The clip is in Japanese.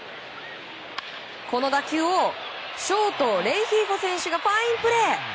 この打球をショート、レンヒーフォ選手がファインプレー。